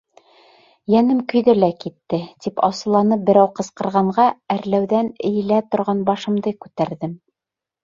— Йәнем көйҙө лә китте. — тип асыуланып берәү ҡысҡырғанға, әрләүҙән эйелә барған башымды күтәрҙем.